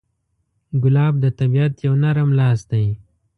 ګلاب د طبیعت یو نرم لاس دی.